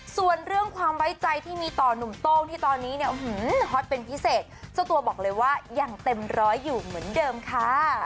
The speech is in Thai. ส่วนเรื่องความไว้ใจที่มีต่อหนุ่มโต้งที่ตอนนี้เนี่ยฮอตเป็นพิเศษเจ้าตัวบอกเลยว่ายังเต็มร้อยอยู่เหมือนเดิมค่ะ